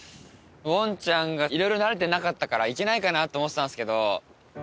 ウォンちゃんがいろいろ慣れてなかったから行けないかなって思ってたんですけど。